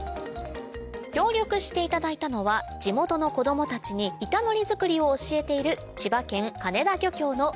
協力していただいたのは地元の子供たちに板のり作りを教えている千葉県